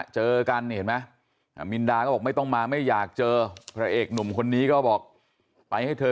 เจอกันนี่เห็นไหมมินดาก็บอกไม่ต้องมาไม่อยากเจอพระเอกหนุ่มคนนี้ก็บอกไปให้เธอ